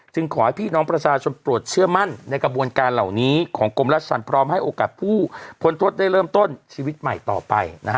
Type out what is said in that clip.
ขอให้พี่น้องประชาชนโปรดเชื่อมั่นในกระบวนการเหล่านี้ของกรมราชธรรมพร้อมให้โอกาสผู้พ้นโทษได้เริ่มต้นชีวิตใหม่ต่อไปนะฮะ